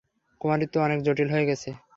কুমারীত্ব অনেক জটিল হয়ে গেছে।